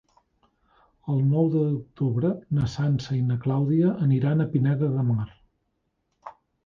El nou d'octubre na Sança i na Clàudia aniran a Pineda de Mar.